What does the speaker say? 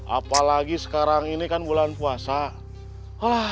apalagi sekarang ini kan bulan puasa